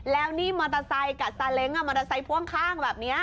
แล้วนี่มอเตอร์ไซค์กับซาเล้งมอเตอร์ไซค์พ่วงข้างแบบนี้